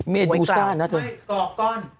เมดูซ่าไม่กอกก้อน